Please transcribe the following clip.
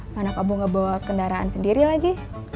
mana kamu ga bawa kendaraan sendiri lagi